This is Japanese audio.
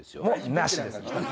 なしです！